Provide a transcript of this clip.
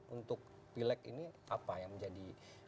untuk pileg ini apa yang menjadi